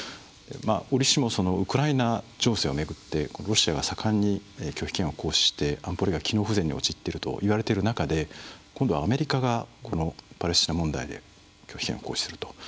おりしもウクライナ情勢を巡ってロシアが盛んに拒否権を行使して安保理が機能不全に陥っているといわれている中で今度はアメリカがこのパレスチナ問題で拒否権を行使すると。